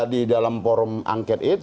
di dalam forum angket itu